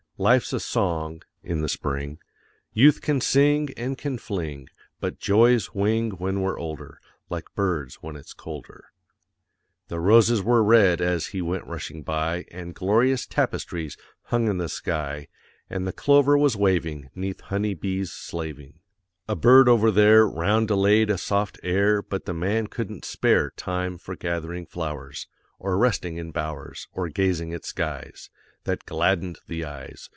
Life's a song; In the spring Youth can sing and can fling; But joys wing When we're older, Like birds when it's colder. The roses were red as he went rushing by, And glorious tapestries hung in the sky, And the clover was waving 'Neath honey bees' slaving; A bird over there Roundelayed a soft air; But the man couldn't spare Time for gathering flowers, Or resting in bowers, Or gazing at skies That gladdened the eyes.